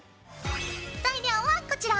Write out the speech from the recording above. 材料はこちら。